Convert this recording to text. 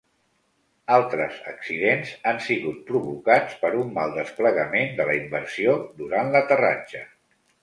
Altres accidents han sigut provocats per un mal desplegament de la inversió durant l'aterratge.